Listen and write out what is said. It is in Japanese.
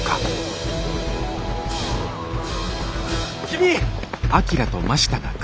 君！